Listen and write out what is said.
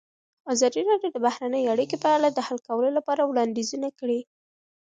ازادي راډیو د بهرنۍ اړیکې په اړه د حل کولو لپاره وړاندیزونه کړي.